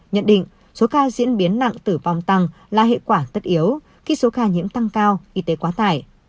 nhận định số ca diễn biến nặng tử vong tăng là hệ quả tất yếu khi số ca nhiễm tăng cao y tế quá tải